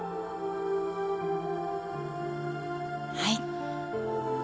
はい。